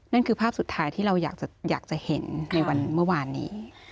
นั่นคือภาพสุดท้ายที่เราอยากจะเห็นในวันเมื่อวานนี้